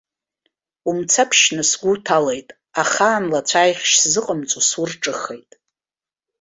Умцаԥшьны сгәы уҭалеит, ахаан лацәааихьшь сзыҟамҵо сурҿыхеит!